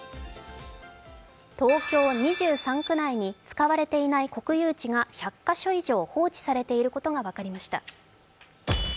東京２３区内に使われていない国有地が１００か所以上、放置されていることが分かりました。